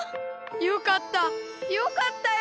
よかったよかったよ。